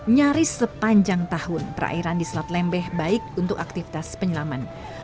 nyaris sepanjang tahun perairan di selat lembeh baik untuk aktivitas penyelaman